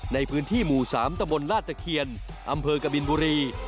ในพื้นที่หมู่๓ตะบนลาดตะเคียนอำเภอกบินบุรี